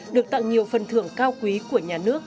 được tặng nhiều phần thưởng cao quý của nhà nước